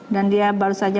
dan dia baru saja